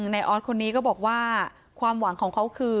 ในออสคนนี้ก็บอกว่าความหวังของเขาคือ